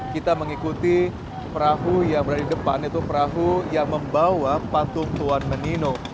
kita mengikuti perahu yang berada di depan itu perahu yang membawa patung tuan menino